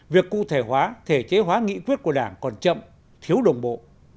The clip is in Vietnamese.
việc cụ thể hóa thể chế hóa nghị quyết của đảng còn chậm thiếu đồng bộ